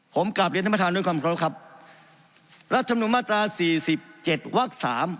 ผมกลับเรียนท่านประธานโดยความขอบคุณครับรัฐมนุมตรา๔๗วัก๓